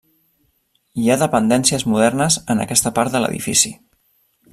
Hi ha dependències modernes en aquesta part de l'edifici.